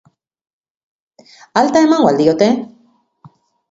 Alta emango al diote?